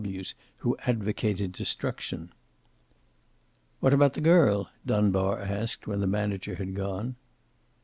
W.W.'s who advocated destruction. "What about the girl?" Dunbar asked, when the manager had gone.